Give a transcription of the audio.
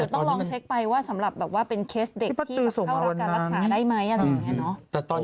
ต้องลองเช็คไปว่าสำหรับแบบว่าเป็นเคสเด็กที่เข้ารับการรักษาได้ไหมอะไรอย่างนี้เนอะ